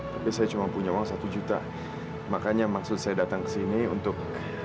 tapi saya cuma punya uang satu juta makanya maksud saya datang ke sini untuk